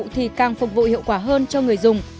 thì càng phục vụ hiệu quả hơn cho người dùng